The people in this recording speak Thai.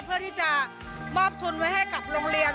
เพื่อที่จะมอบทุนไว้ให้กับโรงเรียน